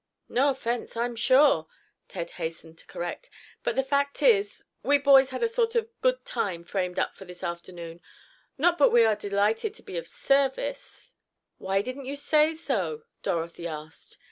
"No offence, I'm sure," Ted hastened to correct, "but the fact is—we boys had a sort of good time framed up for this afternoon. Not but what we are delighted to be of service——" "Why didn't you say so?" Dorothy asked.